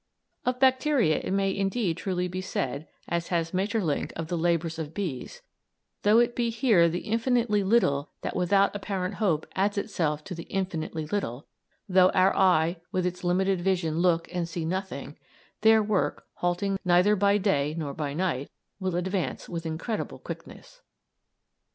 Of bacteria it may indeed truly be said, as has Maeterlinck of the labours of bees "though it be here the infinitely little that without apparent hope adds itself to the infinitely little, though our eye with its limited vision look and see nothing, their work, halting neither by day nor by night, will advance with incredible quickness!"